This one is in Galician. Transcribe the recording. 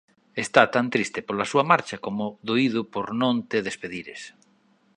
Está tan triste pola súa marcha coma doído por non te despedires